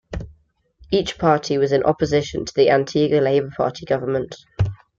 Each party was in opposition to the Antigua Labour Party government.